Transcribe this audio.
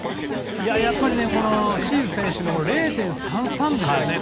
やっぱりね、シーズ選手の０．３３ですよね。